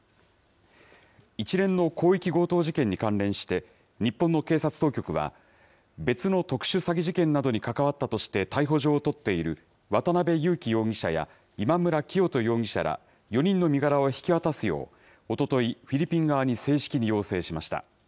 一連の広域強盗事件に関連して、日本の警察当局は、別の特殊詐欺事件などに関わったとして逮捕状を取っている渡邉優樹容疑者や、今村磨人容疑者ら４人の身柄を引き渡すよう、おととい、フィリピン側に正式に要請しました。